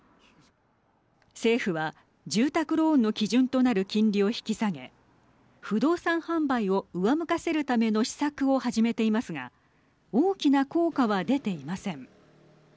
政府は住宅ローンの基準となる金利を引き下げ不動産販売を上向かせるための施策を始めていますが大きな効果は出ていません。